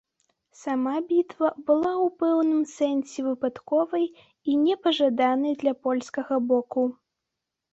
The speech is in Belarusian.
Сама бітва была ў пэўным сэнсе выпадковай і непажаданай для польскага боку.